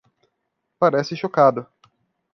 Parece chocado